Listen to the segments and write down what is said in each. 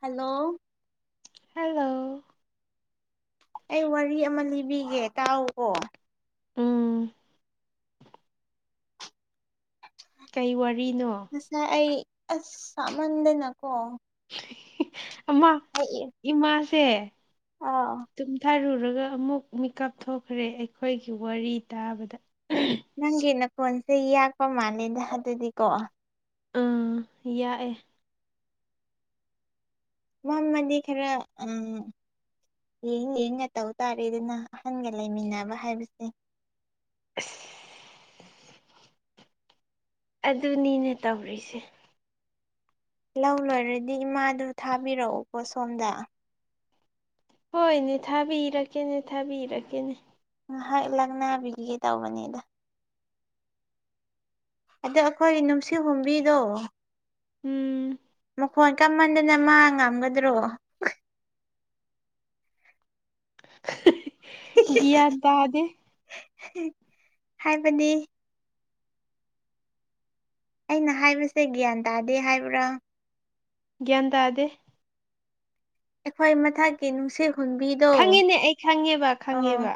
hello hello ꯑꯩ ꯋꯥꯔꯤ ꯑꯃ ꯂꯤꯕꯤꯒꯦ ꯇꯥꯎꯋꯣ ꯎꯝ ꯀꯩ ꯋꯥꯔꯤꯅꯣ ꯉꯁꯥꯏ ꯑꯩ ꯑꯁ ꯁꯥꯃꯟꯗꯅꯀꯣ ꯑꯃ ꯑꯩ ꯏꯃꯥꯁꯦ ꯑꯥ ꯇꯨꯝꯊꯔꯨꯔ ꯑꯗꯨꯒ ꯑꯃꯨꯛ ꯃꯤꯀꯞ ꯊꯣꯛꯈ꯭ꯔꯦ ꯑꯩꯈꯣꯏꯒꯤ ꯋꯥꯔꯤ ꯇꯥꯕꯗ ꯅꯪꯒꯤ ꯅꯀꯣꯟꯁꯦ ꯌꯥꯛꯄ ꯃꯥꯜꯂꯦꯗ ꯑꯗꯨꯗꯤꯀꯣ ꯑꯝ ꯌꯥꯛꯑꯦ ꯃꯝꯃꯗꯤ ꯈꯔ ꯎꯝ ꯌꯦꯡ ꯌꯦꯡꯒ ꯇꯧ ꯇꯥꯔꯦꯗꯨꯅ ꯑꯍꯟꯒ ꯂꯩꯃꯤꯟꯅꯕ ꯍꯥꯏꯕꯁꯦ ꯑꯁ ꯑꯗꯨꯅꯤꯅꯦ ꯇꯧꯔꯤꯁꯦ ꯂꯧ ꯂꯣꯏꯔꯗꯤ ꯏꯃꯥꯗꯨ ꯊꯥꯕꯤꯔꯛꯑꯨꯀꯣ ꯁꯣꯝꯗ ꯍꯣꯏꯅꯦ ꯊꯥꯕꯤꯔꯛꯀꯦꯅꯦ ꯊꯥꯕꯤꯔꯛꯀꯦꯅꯦ ꯉꯥꯏꯍꯥꯛ ꯂꯛꯅꯥꯕꯤꯈꯤꯒꯦ ꯇꯧꯕꯅꯦꯗ ꯑꯗ ꯑꯩꯈꯣꯏꯒꯤ ꯅꯨꯡꯁꯤ ꯍꯨꯝꯕꯤꯗꯣ ꯎꯝ ꯑꯩꯈꯣꯏ ꯀꯃꯟꯗꯅ ꯃꯥ ꯉꯝꯒꯗ꯭ꯔꯣ ꯌꯥ ꯗꯗꯦ ꯍꯥꯏꯕꯗꯤ ꯑꯩꯅ ꯍꯥꯏꯕꯁꯦ ꯒ꯭ꯌꯥꯟ ꯇꯥꯗꯦ ꯍꯥꯏꯕ꯭ꯔꯣ ꯒ꯭ꯌꯥꯟ ꯇꯥꯗꯦ ꯑꯩꯈꯣꯏ ꯃꯊꯛꯀꯤ ꯅꯨꯡꯁꯤꯠ ꯍꯨꯟꯕꯤꯗꯣ ꯈꯪꯉꯤꯅꯦ ꯑꯩ ꯈꯪꯉꯦꯕ ꯑꯣ ꯈꯪꯉꯦꯕ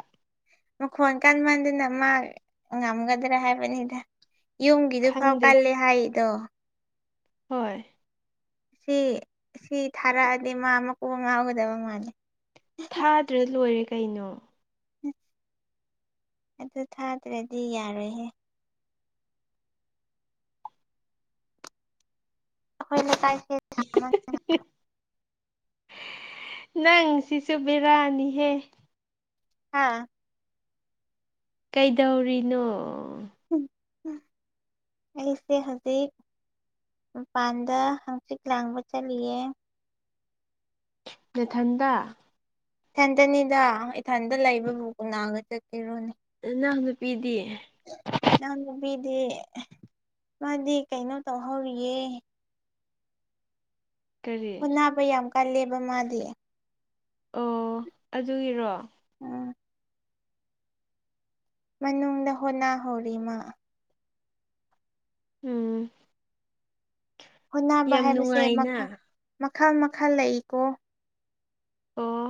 ꯃꯈꯣꯟ ꯀꯟꯃꯟꯗꯅ ꯃꯥ ꯉꯝꯒꯗ꯭ꯔꯥ ꯍꯥꯏꯕꯅꯤꯗ ꯌꯨꯝꯒꯤꯗꯨ ꯐꯥꯎ ꯈꯪꯗꯦ ꯀꯜꯂꯦ ꯍꯥꯏꯗꯣ ꯍꯣꯏ ꯁꯤ ꯁꯤ ꯊꯥꯔꯛꯑꯗꯤ ꯃꯥ ꯃꯀꯣꯛ ꯉꯥꯎꯒꯗꯕ ꯃꯥꯜꯂꯦ ꯊꯥꯗ꯭ꯔꯦ ꯂꯣꯏꯔꯦ ꯀꯩꯅꯣ ꯎ ꯑꯗꯨ ꯊꯥꯗ꯭ꯔꯗꯤ ꯌꯥꯔꯣꯏꯍꯦ ꯑꯩꯈꯣꯏꯅ ꯇꯥꯏ [unintelligible] ꯅꯪꯁꯤꯁꯨ ꯕꯦꯔꯥꯅꯤꯍꯦ ꯍꯥ ꯀꯩꯗꯧꯔꯤꯅꯣ ꯑꯩꯁꯦ ꯍꯧꯖꯤꯛ ꯃꯄꯥꯟꯗ ꯍꯪꯆꯤꯛ ꯂꯥꯡꯕ ꯆꯠꯂꯤꯌꯦ ꯅꯊꯟꯗ ꯢꯊꯟꯇꯅꯤꯗ ꯏꯊꯟꯇ ꯂꯩꯕꯕꯨ ꯀꯅꯥꯒ ꯆꯠꯄꯤꯔꯨꯅꯤ ꯅꯅꯥꯎ ꯅꯨꯄꯤꯗꯤ ꯢꯅꯥꯎ ꯏꯨꯄꯤꯗꯤ ꯃꯥꯗꯤ ꯀꯩꯅꯣ ꯇꯧꯍꯧꯔꯤꯌꯦ ꯀꯔꯤ ꯍꯣꯟꯅꯕ ꯌꯥꯝ ꯀꯜꯂꯦꯕ ꯃꯥꯗꯤ ꯑꯣ ꯑꯗꯨꯒꯤꯔꯣ ꯎꯝ ꯃꯅꯨꯡꯗ ꯍꯣꯠꯅꯍꯧꯔꯤ ꯃꯥ ꯎꯝ ꯍꯣꯠꯅꯕ ꯌꯥꯝ ꯍꯥꯏꯕꯁꯦ ꯅꯨꯡꯉꯥꯏꯅ ꯃꯈꯜ ꯃꯈꯜ ꯃꯈꯜ ꯂꯩꯏꯀꯣ ꯑꯣ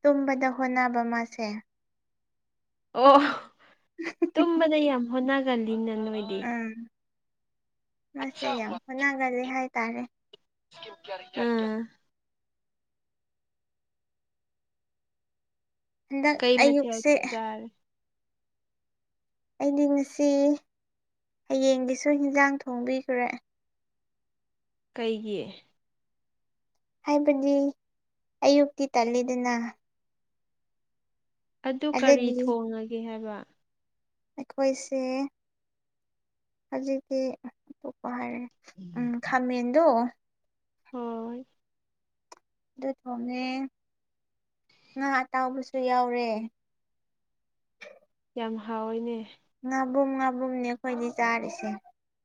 ꯇꯨꯝꯕꯗ ꯍꯣꯠꯅꯕ ꯃꯥꯁꯦ ꯑꯣ ꯇꯨꯝꯕꯗ ꯌꯥꯝ ꯍꯣꯠꯅꯒꯜꯂꯤꯅ ꯅꯣꯏꯗꯤ ꯃꯁꯦ ꯌꯥꯎ ꯍꯅꯒꯜꯂꯤ ꯍꯥꯏ ꯇꯔꯦ ꯎꯝ ꯍꯟꯗꯛ ꯀꯩ ꯃꯊꯦꯜ ꯑꯌꯨꯛꯁꯦ ꯆꯥꯔꯦ ꯑꯩꯗꯤ ꯉꯁꯤ ꯍꯌꯦꯡꯒꯤꯁꯨ ꯏꯟꯁꯥꯡ ꯊꯣꯡꯕꯤꯈ꯭ꯔꯦ ꯀꯩꯒꯤ ꯍꯥꯏꯕꯗꯤ ꯑꯌꯨꯛꯇꯤ ꯇꯜꯂꯤꯗꯅ ꯑꯗꯨ ꯀꯔꯤ ꯑꯗꯒꯤ ꯊꯣꯡꯉꯒꯦ ꯍꯥꯏꯕ ꯑꯩꯈꯣꯏꯁꯦ ꯍꯧꯖꯤꯛꯇꯤ ꯑꯇꯣꯛꯄ ꯍꯥꯏꯔꯦ ꯎꯝ ꯈꯃꯗꯨ ꯍꯣꯏ ꯑꯗꯨ ꯊꯣꯡꯉꯦ ꯉꯥ ꯑꯇꯥꯎꯕꯁꯨ ꯌꯥꯎꯔꯦ ꯌꯥꯝ ꯍꯥꯎꯏꯅꯦ ꯉꯥꯕꯨꯝ ꯉꯥꯕꯨꯝꯅꯦ ꯑꯩꯈꯣꯏꯗꯤ ꯆꯥꯔꯤꯁꯦ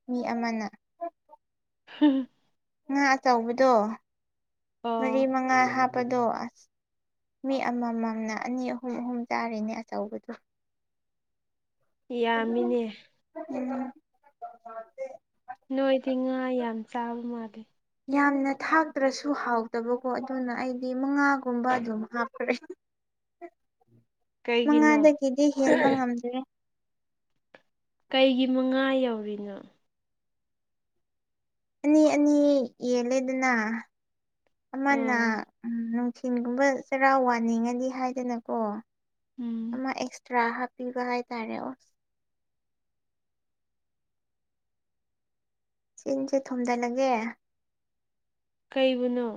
ꯃꯤ ꯑꯃꯅ [inaudible] ꯉꯥ ꯑꯆꯧꯕꯗꯣ ꯃꯔꯤ ꯑꯣ ꯃꯉꯥ ꯍꯥꯞꯄꯗꯣ ꯑꯁ ꯃꯤ ꯑꯃꯃꯝꯅ ꯑꯅꯤ ꯑꯍꯨꯝ ꯑꯍꯨꯝ ꯆꯥꯔꯤꯅꯦ ꯑꯆꯧꯕꯗꯨ ꯌꯥꯝꯃꯤꯅꯦ ꯎꯝ [unintelligible] ꯅꯣꯏꯗꯤ ꯉꯥ ꯌꯥꯝ ꯆꯥꯕ ꯃꯥꯜꯂꯦ ꯌꯥꯝꯅ ꯊꯥꯛꯇ꯭ꯔꯁꯨ ꯍꯥꯎꯇꯕꯀꯣ ꯑꯗꯨꯅ ꯑꯩꯗꯤ ꯃꯉꯥꯒꯨꯝꯕ ꯑꯗꯨꯝ ꯍꯥꯞꯈ꯭ꯔꯦ [unintelligible] ꯀꯩꯒꯤꯅꯣ ꯃꯉꯥꯗꯒꯤꯗꯤ ꯍꯦꯟꯕ ꯉꯝꯗ꯭ꯔꯦ ꯀꯩꯒꯤ ꯃꯉꯥ ꯌꯧꯔꯤꯅꯣ ꯑꯅꯤ ꯑꯅꯤ ꯌꯦꯜꯂꯦꯗꯅ ꯑꯃꯅ ꯑꯥ ꯅꯨꯡꯊꯤꯟꯒꯨꯝꯕ ꯆꯔꯥ ꯋꯥꯅꯤꯡꯉꯗꯤ ꯍꯥꯏꯗꯅꯀꯣ ꯎꯝ ꯑꯃ ꯑꯦꯛꯁꯇ꯭ꯔꯥ ꯄꯤꯕ ꯍꯥꯏ ꯇꯥꯔꯦꯑꯣꯣ ꯆꯤꯟꯁꯦ ꯊꯣꯝꯖꯤꯜꯂꯒꯦ ꯀꯩꯕꯨꯅꯣ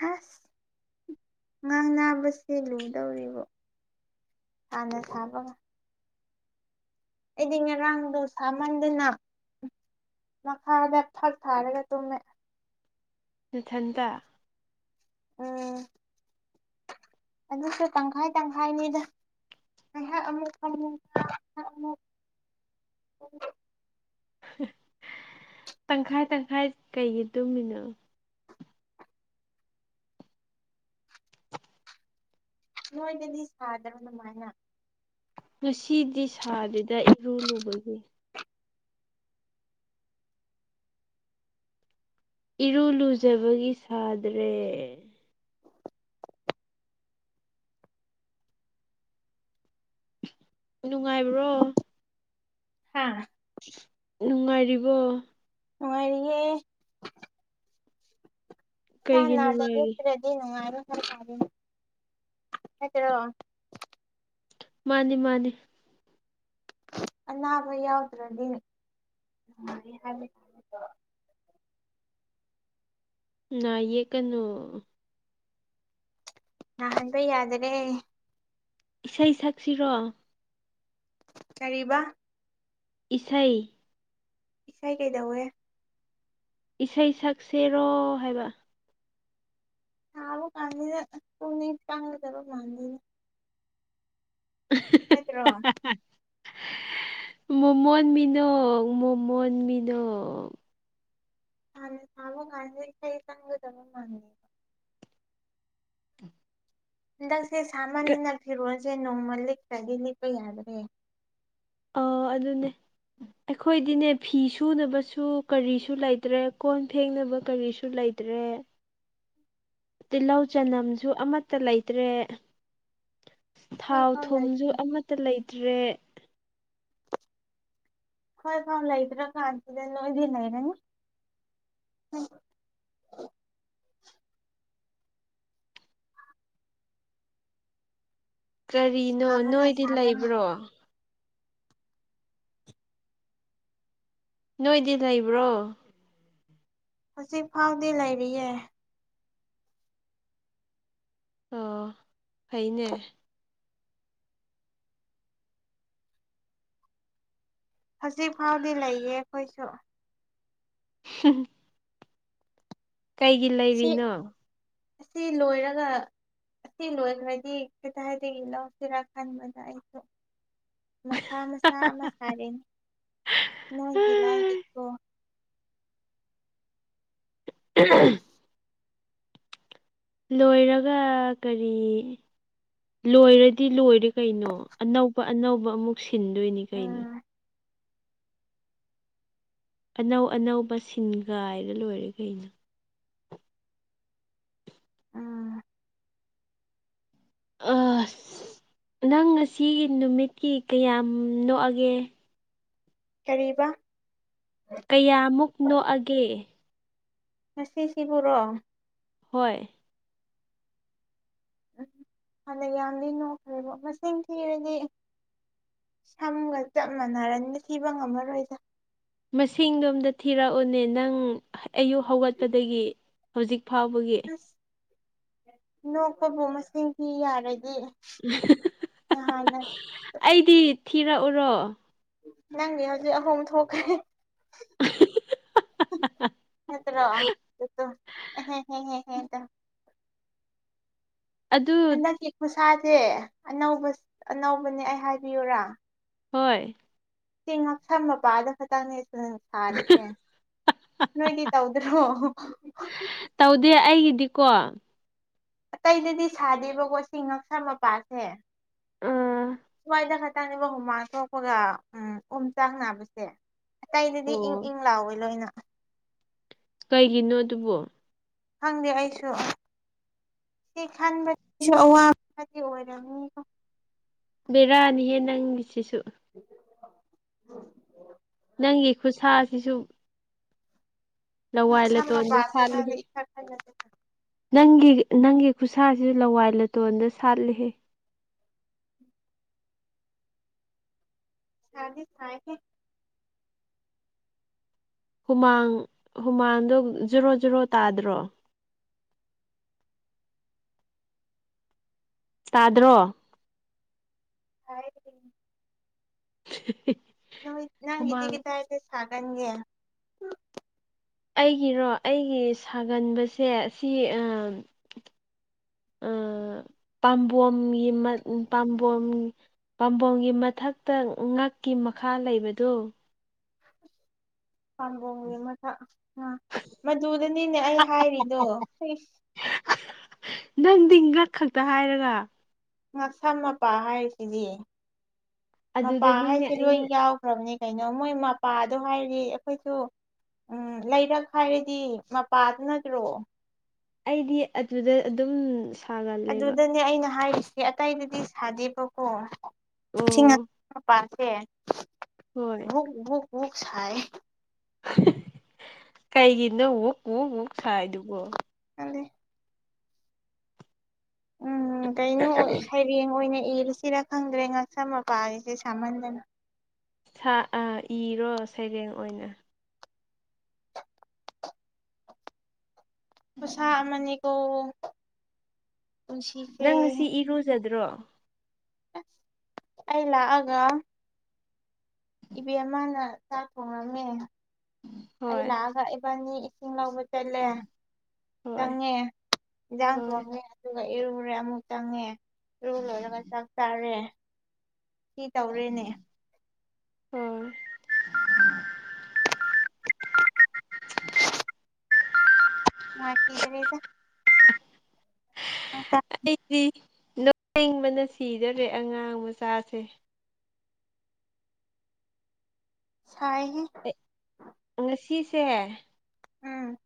ꯍꯁ ꯉꯥꯡ ꯅꯥꯕꯁꯦ ꯂꯨꯗꯧꯔꯤꯕꯣ ꯍꯥꯟꯅ ꯁꯥꯕꯒ ꯑꯩꯗꯤ ꯉꯔꯥꯡꯗꯣ ꯁꯥꯃꯟꯗꯅ ꯃꯈꯥꯗ ꯐꯛ ꯊꯥꯔꯒ ꯇꯨꯝꯃꯦ ꯃꯊꯟꯇ ꯎꯝ ꯑꯗꯨꯁꯨ ꯇꯪꯈꯥꯏ ꯇꯪꯈꯥꯏꯅꯤꯗ [unintelligible] ꯇꯪꯈꯥꯏ ꯇꯪꯈꯥꯏ ꯀꯩꯒꯤ ꯇꯨꯝꯃꯤꯅꯣ ꯅꯣꯏꯗꯗꯤ ꯁꯥꯗ꯭ꯔ ꯑꯗꯨꯃꯥꯏꯅ ꯉꯁꯤꯗꯤ ꯁꯥꯗ꯭ꯔꯤꯗ ꯏꯔꯨ ꯂꯨꯕꯒꯤ ꯏꯔꯨ ꯂꯨꯖꯕꯒꯤ ꯁꯥꯗ꯭ꯔꯦ ꯅꯨꯡꯉꯥꯏꯕ꯭ꯔꯣ ꯍꯥꯥ ꯅꯨꯡꯉꯥꯏꯔꯤꯕꯣ ꯉꯅꯨꯡꯉꯥꯏꯔꯤꯌꯦꯦ ꯀꯩꯒꯤ ꯆꯅꯗ ꯅꯨꯡꯉꯥꯏꯔꯤ ꯏꯠꯇ꯭ꯔꯦꯗꯤ ꯅ ꯃꯥꯔ ꯍꯥꯏꯠꯇ꯭ꯔꯣ ꯃꯥꯅꯤ ꯃꯥꯅꯤ ꯑꯅꯥꯕ ꯌꯥꯎꯗ꯭ꯔꯗꯤ ꯅꯥ ꯌꯦꯛꯀꯅꯨ ꯅꯥꯍꯟꯕ ꯌꯥꯗꯔꯦ ꯏꯁꯩ ꯁꯛꯁꯤꯔꯣ ꯀꯔꯤꯕ ꯏꯁꯩ ꯏꯁꯩ ꯀꯩꯗꯧꯋꯦ ꯏꯁꯩ ꯁꯛꯁꯦꯔꯣ ꯍꯥꯏꯕ ꯁꯥꯕ ꯀꯥꯟꯁꯤꯗ ꯄꯨꯛꯅꯤꯡ ꯆꯪꯒꯗꯕ ꯃꯥꯟꯗꯦꯅꯦ ꯍꯥꯏꯗ꯭ꯔꯣ ꯃꯣꯃꯣꯟ ꯃꯤꯅꯣꯛ ꯃꯣꯃꯣꯟ ꯃꯤꯅꯣꯛ ꯁꯥꯅ ꯁꯥꯕ ꯀꯥꯟꯁꯤꯗ ꯢꯁꯩ ꯆꯪꯒꯗꯕ ꯃꯥꯟꯗꯦꯕ ꯍꯟꯗꯛꯁꯦ ꯁꯥꯃꯟꯗꯅ ꯐꯤꯔꯣꯜꯁꯦ ꯅꯣꯡꯃ ꯂꯤꯠꯈꯔꯗꯤ ꯂꯤꯠꯄ ꯌꯥꯗ꯭ꯔꯦ ꯑꯥ ꯑꯗꯨꯅꯦ ꯑꯩꯈꯣꯏꯗꯤꯅꯦ ꯐꯤ ꯁꯨꯅꯕꯁꯨ ꯀꯔꯤꯁꯨ ꯂꯩꯇ꯭ꯔꯦ ꯀꯣꯟ ꯐꯦꯡꯅꯕ ꯀꯔꯤꯁꯨ ꯂꯩ ꯂꯩꯇ꯭ꯔꯦ ꯇꯤꯜꯂꯧ ꯆꯅꯝꯁꯨ ꯑꯃꯠꯇ ꯂꯩꯇ꯭ꯔꯦ ꯑꯩꯈꯣꯏ ꯊꯥꯎ ꯐꯥꯎ ꯂꯩ ꯊꯨꯝꯁꯨ ꯑꯃꯠꯇ ꯂꯩꯇ꯭ꯔꯦ ꯍꯣꯏ ꯈꯥꯎ ꯂꯩꯇ꯭ꯔꯥ ꯀꯥꯟꯁꯤꯗ ꯅꯣꯏꯗꯤ ꯂꯩꯔꯅꯤ ꯍꯣꯏ ꯀꯔꯤꯅꯣ ꯁꯥꯕꯅ ꯅꯣꯏꯗꯤ ꯁꯥꯕꯅ ꯂꯩꯕ꯭ꯔꯣ ꯅꯣꯏꯗꯤ ꯂꯩꯕ꯭ꯔꯣ ꯍꯧꯖꯤꯛ ꯐꯥꯎꯗꯤ ꯂꯩꯔꯤꯌꯦ ꯑꯣ ꯐꯩꯅꯦ ꯍꯧꯖꯤꯛ ꯐꯥꯎꯗꯤ ꯂꯩꯌꯦ ꯑꯩꯈꯣꯏꯁꯨ [unintelligible] ꯀꯩꯒꯤ ꯁꯤ ꯂꯩꯔꯤꯅꯣ ꯑꯁꯤ ꯂꯣꯏꯔꯒ ꯑꯁꯤ ꯂꯣꯏꯒ꯭ꯔꯗꯤ ꯀꯗꯥꯗꯒꯤ ꯂꯧꯁꯤꯔ ꯈꯟꯕꯗ ꯑꯩꯁꯨ ꯃꯊꯥ ꯃꯆꯥ ꯑꯃ ꯁꯥꯔꯤꯅꯦ ꯅꯣꯏꯒꯤ ꯂꯥꯏꯔꯤꯀꯣ [unintelligible] ꯂꯣꯏꯔꯒ ꯀꯔꯤ ꯂꯣꯏꯔꯗꯤ ꯂꯣꯏꯔꯦ ꯀꯩꯅꯣ ꯑꯅꯧꯕ ꯑꯅꯧꯕ ꯑꯃꯨꯛ ꯁꯤꯟꯗꯣꯏꯅꯤ ꯀꯩꯅꯣ ꯎꯝ ꯑꯅꯧ ꯑꯅꯧꯕ ꯁꯤꯟꯒꯥꯏꯔ ꯂꯣꯏꯔꯦ ꯀꯩꯅꯣ ꯎꯝ ꯑꯁ ꯅꯪ ꯉꯁꯤ ꯅꯨꯃꯤꯠꯀꯤ ꯀꯌꯥꯝ ꯅꯣꯛꯑꯒꯦ ꯀꯔꯤꯕ ꯀꯌꯥꯃꯨꯛ ꯅꯣꯛꯑꯒꯦ ꯉꯁꯤꯁꯤꯕꯨꯔꯣ ꯍꯣꯏ ꯎꯝ ꯐꯅ ꯌꯥꯝꯗꯤ ꯅꯣꯛꯈ꯭ꯔꯦꯕꯣ ꯃꯁꯤꯡ ꯊꯤꯔꯗꯤ ꯁꯝꯒ ꯆꯞ ꯃꯥꯟꯅꯔꯅꯤ ꯊꯤꯕ ꯉꯝꯃꯔꯣꯏꯗ ꯃꯁꯤꯡꯗ ꯑꯝꯗ ꯊꯤꯔꯛꯎꯅꯦ ꯅꯪ ꯑꯌꯨꯛ ꯍꯧꯒꯠꯄꯗꯒꯤ ꯍꯧꯖꯤꯛ ꯐꯥꯎꯕꯒꯤ ꯑꯁ ꯅꯣꯛꯄꯕꯨ ꯃꯁꯤꯡ ꯊꯤ ꯌꯥꯔ ꯗꯤ ꯅꯍꯥꯟꯅ ꯊꯣ ꯊꯤꯔꯛꯎꯔꯣ ꯅꯪꯅꯦ ꯍꯧꯖꯤꯛ ꯑꯍꯨꯝ ꯊꯣꯛꯈ꯭ꯔꯦ ꯅꯠꯅꯇ꯭ꯔꯣ ꯑꯍꯦ ꯍꯦ ꯍꯦ ꯍꯦ ꯗꯣ ꯑꯗꯨ ꯇꯥꯗꯦ ꯑꯅꯧꯕ ꯑꯅꯧꯕꯅꯦ ꯑꯩ ꯍꯥꯏꯕꯤꯌꯨꯔꯥ ꯍꯣꯏ ꯆꯦꯡ ꯉꯛꯁꯝ ꯃꯄꯥꯗ ꯈꯛꯇꯪꯅꯦ ꯑꯗꯨ ꯁꯥꯔꯤꯁꯦ ꯅꯣꯏꯗꯤ ꯇꯧꯗ꯭ꯔꯣ ꯗꯤꯀꯣ ꯑꯇꯩꯗꯗꯤ ꯁꯥꯗꯦꯕꯀꯣ ꯁꯤ ꯉꯛꯁꯥ ꯃꯄꯥꯁꯦ ꯁ꯭ꯋꯥꯏꯗ ꯈꯛꯇꯪꯅꯦꯕ ꯍꯨꯃꯥꯡ ꯊꯣꯛꯣꯛꯄꯒ ꯎꯝ ꯎꯝ ꯆꯥꯛ ꯅꯥꯕꯁꯦ ꯑꯇꯩꯗꯗꯤ ꯏꯪ ꯏꯪ ꯂꯥꯎꯋꯏ ꯂꯣꯏꯅ ꯀꯩꯒꯤꯅꯣ ꯑꯗꯨꯕꯣ ꯈꯪꯗꯦ ꯑꯩꯁꯨ ꯁꯤ ꯈꯟꯕꯁꯨ ꯑꯋꯥꯕꯗꯤ ꯑꯣꯏꯔꯝꯅꯤ ꯕꯦꯔꯥꯅꯤꯍꯦ ꯅꯪꯁꯤꯁꯨ [unintelligible] ꯅꯪꯒꯤ ꯈꯨꯠꯁꯥꯁꯤꯁꯨ ꯑꯁꯝ ꯂꯋꯥꯏꯂꯇꯣꯟꯗ ꯃꯄꯥꯁꯦ ꯁꯥꯠꯂꯤ ꯈꯪꯗꯦ ꯏꯊꯛ ꯊꯛꯅꯗꯦ ꯅꯪꯒꯤ ꯅꯪꯒꯤ ꯈꯨꯠꯁꯥꯁꯤ ꯂꯋꯥꯏ ꯂꯨꯇꯣꯟꯗ ꯁꯥꯠꯂꯤꯍꯦ ꯁꯥꯗꯤ ꯁꯥꯏꯍꯦ ꯍꯨꯃꯥꯡ ꯍꯨꯃꯥꯡꯗꯣ ꯖꯔꯣ ꯖꯔꯣ ꯇꯥꯗ꯭ꯔꯣ [inaudible] ꯇꯥꯗ꯭ꯔꯣ ꯍꯥꯏ [unintelligible] ꯅ ꯍꯨꯃꯥꯡ ꯅꯪꯒꯤꯗꯤꯒꯤꯗꯥ ꯍꯥꯏꯁꯦ ꯁꯥꯒꯟꯒꯦ ꯑꯩꯒꯤꯔꯣ ꯑꯩꯒꯤ ꯁꯥꯒꯟꯕꯁꯦ ꯁꯤ ꯄꯥꯝꯕꯣꯝꯒꯤ ꯄꯥꯝꯕꯣꯝ ꯄꯥꯝꯕꯣꯝꯒꯤ ꯃꯊꯛꯇ ꯉꯛꯀꯤ ꯃꯈꯥ ꯂꯩꯕꯗꯨ ꯍꯃ ꯊ ꯃꯗꯨꯗꯅꯤꯅꯦ ꯑꯩ ꯍꯥꯏꯔꯤꯗꯣ ꯅꯪꯗꯤ ꯉꯛ ꯈꯛꯇ ꯍꯥꯏꯔꯒ ꯉꯛꯁꯝ ꯃꯄꯥ ꯍꯥꯏꯔꯤꯁꯤꯗꯤ ꯃꯄꯥ ꯑꯗꯨꯗꯅꯤꯅꯦ ꯍꯥꯏꯁꯤ ꯂꯣꯏ ꯑꯩꯅ ꯌꯥꯎꯈ꯭ꯔꯕꯅꯤ ꯀꯩꯅꯣ ꯃꯣꯏ ꯃꯄꯥꯗꯣ ꯍꯥꯏꯔꯤ ꯑꯩꯈꯣꯏꯁꯨ ꯎꯝ ꯂꯩꯔꯛ ꯍꯥꯏꯔꯗꯤ ꯃꯄꯥꯗꯨ ꯅꯠꯇ꯭ꯔꯣ ꯑꯩꯗꯤ ꯑꯗꯨꯗ ꯑꯗꯨꯝ ꯁꯥꯒꯜꯂꯦꯕ ꯑꯗꯨꯗꯅꯦ ꯑꯩꯅ ꯍꯥꯏꯔꯤꯁꯦ ꯑꯇꯩꯗꯗꯤ ꯁꯥꯗꯦꯕꯀꯣ ꯁꯤꯡ ꯉꯛ ꯑꯣ ꯃꯄꯥꯁꯦ ꯍꯣꯏ ꯋꯨꯛ ꯋꯨꯛ ꯋꯨꯛ ꯁꯥꯏ ꯀꯩꯒꯤꯅꯣ ꯋꯨꯛ ꯋꯨꯛ ꯋꯨꯛ ꯁꯥꯏꯗꯨꯕꯣ ꯈꯪꯗꯦ ꯎꯝ ꯀꯩꯅꯣ ꯁꯩꯔꯦꯡ ꯑꯣꯏꯅ ꯏꯔꯁꯤꯔ ꯈꯪꯗ꯭ꯔꯦ ꯉꯛꯁꯝ ꯃꯄꯥꯥꯁꯤꯁꯨ ꯁꯥꯃꯟꯗꯅ ꯁꯥ ꯑꯥ ꯏꯔꯣ ꯁꯩꯔꯦꯡ ꯑꯣꯏꯅ ꯈꯨꯁꯥꯥ ꯑꯃꯅꯤ ꯀꯣ ꯅꯪ ꯉꯁꯤ ꯏꯔꯨꯖꯗ꯭ꯔꯣ ꯑꯁ ꯑꯩ ꯂꯛꯑꯒ ꯏꯕꯦꯝꯃꯅ ꯆꯥꯛ ꯊꯣꯡꯉꯝꯃꯦ ꯑꯩ ꯍꯣꯏ ꯂꯥꯛꯑꯒ ꯏꯕꯥꯅꯤ ꯏꯁꯤꯡ ꯂꯧꯕ ꯆꯠꯂꯦ ꯍꯣꯏ ꯆꯪꯉꯦ ꯏꯟꯁꯥꯡ ꯍꯣꯏ ꯊꯣꯡꯉꯦ ꯑꯗꯨ ꯑꯗꯨꯒ ꯏꯔꯨꯔꯦ ꯑꯃꯨꯛ ꯆꯪꯉꯦ ꯏꯔꯨ ꯂꯣꯏꯔꯒ ꯆꯥꯛ ꯆꯥꯔꯦ ꯁꯤ ꯇꯧꯔꯦꯅꯦ ꯎꯝ [unintelligible] ꯅꯨꯡꯉꯥꯏꯈꯤꯗ꯭ꯔꯦꯗ ꯑꯩꯗꯤ ꯅꯣꯛꯅꯤꯡꯕꯅ ꯁꯤꯗꯔꯦ ꯑꯉꯥꯡ ꯃꯆꯥꯁꯦ ꯁꯥꯏꯍꯦ ꯎ ꯉꯁꯤꯁꯦ ꯎꯝ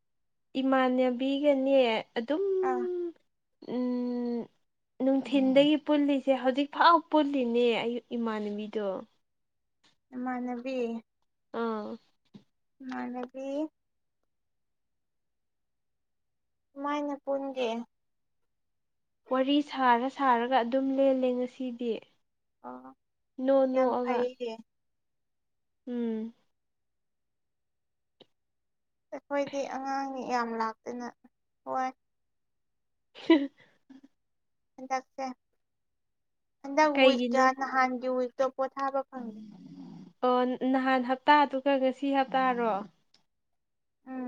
ꯏꯃꯥꯟꯅꯕꯤꯒꯅꯦ ꯑꯗꯨꯝ ꯑꯥ ꯅꯨꯡꯊꯤꯟꯗꯒꯤ ꯄꯨꯜꯂꯤꯁꯦ ꯍꯧꯖꯤꯛꯐꯥꯎ ꯄꯨꯜꯂꯤꯅꯦ ꯑꯌꯨꯛ ꯏꯃꯥꯟꯅꯕꯤꯗꯣ ꯅꯃꯥꯟꯅꯕꯤ ꯑꯥ ꯅꯃꯥꯟꯅꯕꯤ ꯃꯥꯏ ꯄꯨꯟꯒꯦ ꯋꯥꯔꯤ ꯁꯥꯔ ꯁꯥꯔꯒ ꯑꯗꯨꯝ ꯂꯦꯜꯂꯦ ꯉꯁꯤꯗꯤ ꯑꯣ ꯅꯣꯛ ꯌꯥꯝ ꯅꯣꯛꯑꯒ ꯐꯩꯌꯦ ꯎꯝ ꯑꯩꯈꯣꯏꯒꯤ ꯑꯉꯥꯡꯅꯤ ꯌꯥꯝ ꯂꯥꯛꯇꯅ ꯍꯣꯏ [unintelligible] ꯍꯟꯗꯛꯁꯦ ꯍꯟꯗꯛ ꯋꯤꯛꯀ ꯀꯩꯒꯤꯅꯣ ꯅꯍꯥꯟꯒꯤ ꯋꯤꯛ ꯄꯣꯊꯥꯕ ꯐꯪꯗꯦ ꯑꯣ ꯅꯍꯥꯟ ꯍꯞꯇꯥꯗꯨꯒ ꯉꯁꯤ ꯍꯞꯇꯥꯔꯣ ꯎꯝ